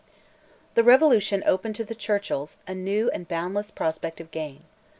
The Revolution opened to the Churchills a new and boundless prospect of gain.